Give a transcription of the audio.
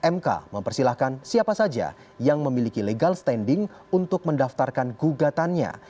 mk mempersilahkan siapa saja yang memiliki legal standing untuk mendaftarkan gugatannya